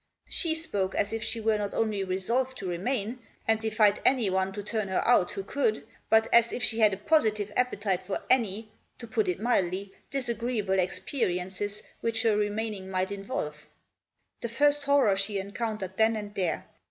She spoke as if she were not only resolved to remain, and defied anyone to turn her out who could, but as if she had a positive appetite for any — to put it mildly — disagreeable experiences which her remaining might involve. The first horror she encountered then and there.